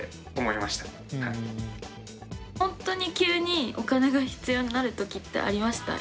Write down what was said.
本当に急にお金が必要になる時ってありました？